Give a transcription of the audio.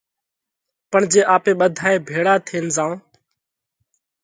پڻ جي آپي ٻڌائي ڀيۯا ٿي زائون